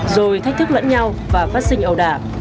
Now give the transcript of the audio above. rồi thách thức lẫn nhau và phát sinh ẩu đả